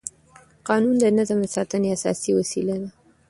قانون د نظم د ساتنې اساسي وسیله ده.